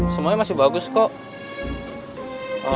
semuanya masih bagus kok